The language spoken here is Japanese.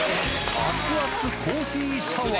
熱々コーヒーシャワー。